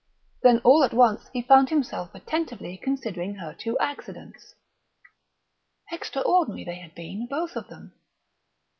Then all at once he found himself attentively considering her two accidents. Extraordinary they had been, both of them.